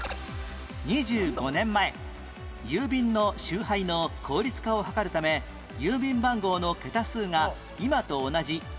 ２５年前郵便の集配の効率化を図るため郵便番号の桁数が今と同じ７桁に変更